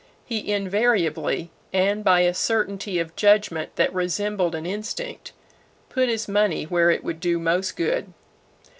He invariably, and by a certainty of judgment that resembled an instinct, "put his money where it would do most good."